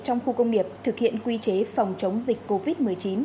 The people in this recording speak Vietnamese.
trong khu công nghiệp thực hiện quy chế phòng chống dịch covid một mươi chín